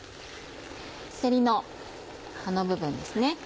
せりの葉の部分ですね。